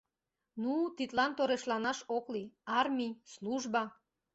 Ну, тидлан торешланаш ок лий — армий, служба!..